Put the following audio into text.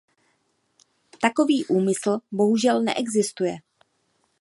Takový úmysl bohužel neexistuje.